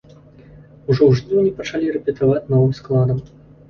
Ужо ў жніўні пачалі рэпетаваць новым складам.